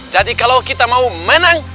jadi kalau kita mau menang